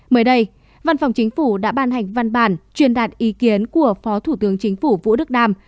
mới đây văn phòng chính phủ đã ban hành văn bản truyền đạt ý kiến của phó thủ tướng chính phủ vũ đức đam